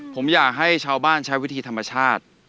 ผมอยากให้ชาวบ้านใช้วิธีธรรมชาติ